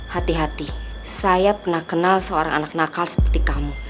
hati hati saya pernah kenal seorang anak nakal seperti kamu